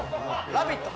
「ラヴィット！」